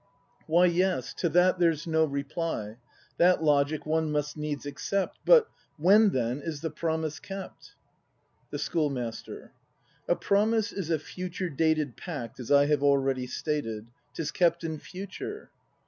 Why, yes, to that there's no reply; That logic one must needs accept. But — when then is the promise kept.^ The Schoolmaster. A Promise is a future dated Pact, as I have already stated; 'Tis kept in Future.